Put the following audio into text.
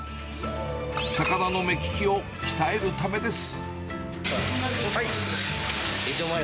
魚の目利きを鍛えるためです。